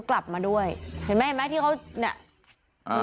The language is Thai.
กลับมาด้วยเห็นไหมที่เขาเนี่ย